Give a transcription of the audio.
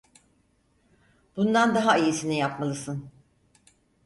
Bundan daha iyisini yapmalısın.